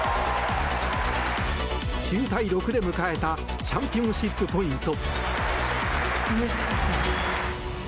９対６で迎えたチャンピオンシップポイント。